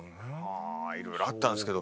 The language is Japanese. いろいろあったんですけど。